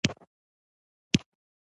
انګلستان مساوي ثلث کې ده.